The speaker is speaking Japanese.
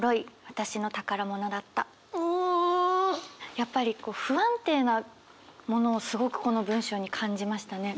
やっぱり不安定なものをすごくこの文章に感じましたね。